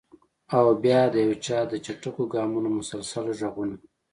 او بیا د یو چا د چټکو ګامونو مسلسل غږونه!